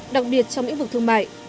đặc biệt trong những vực thương mại